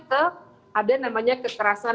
ke ada namanya kekerasan